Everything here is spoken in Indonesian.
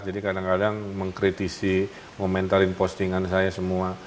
jadi kadang kadang mengkritisi mementalin postingan saya semua